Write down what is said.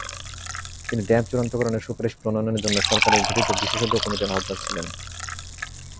তিনি ড্যাপ চূড়ান্তকরণের সুপারিশ প্রণয়নের জন্য সরকারের গঠিত বিশেষজ্ঞ কমিটির আহ্বায়ক ছিলেন।